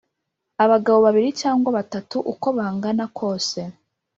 Abagabo babiri cyangwa batatu uko bangana kose